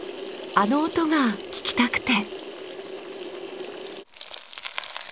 あの音が聞きたくて。